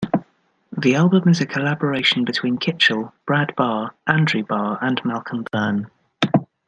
The album is a collaboration between Kitchell, Brad Barr, Andrew Barr, and Malcolm Burn.